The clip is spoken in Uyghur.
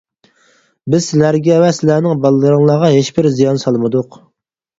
بىز سىلەرگە ۋە سىلەرنىڭ باللىرىڭلارغا ھېچبىر زىيان سالمىدۇق.